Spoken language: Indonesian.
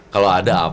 kalau ada apa